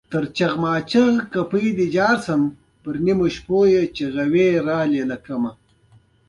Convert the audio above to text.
ایا ستاسو خوب پوره نه دی؟